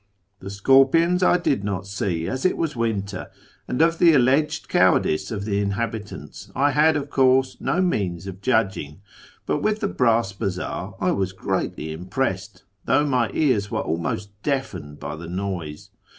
" The scorpions I did not see, as it was winter ; and of the alleged cowardice of the inhabitants I had, of course, no means of judging ; but with the brass bazaar I was greatly impressed, tliough my ears were almost deafened by the noise.